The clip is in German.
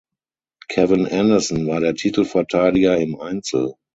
Kevin Anderson war der Titelverteidiger im Einzel.